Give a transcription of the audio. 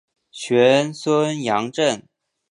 玄孙杨震。